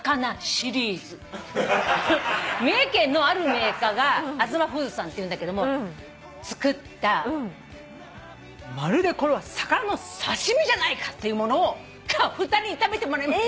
三重県のあるメーカーがあづまフーズさんっていうんだけど作ったまるでこれは魚の刺し身じゃないかってものを２人に食べてもらいます。